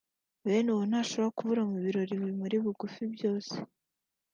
bene uwo ntashobora kubura mu birori bimuri bugufi byose